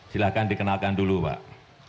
silahkan dikenalkan dulu pak